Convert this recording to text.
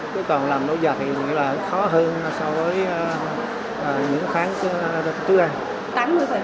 cứ còn làm nội dạng thì nghĩ là khó hơn so với những tháng trước đây